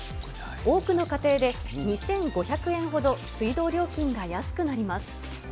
多くの家庭で２５００円ほど水道料金が安くなります。